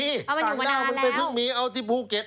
มันอยู่มานานแล้วต่างด้านมันไม่พึ่งมีเอาที่ภูเก็ต